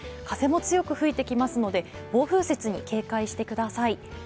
風も強く吹いてきますので暴風雪に警戒してください。